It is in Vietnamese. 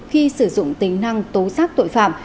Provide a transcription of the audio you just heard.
khi sử dụng tính năng tố giác tội phạm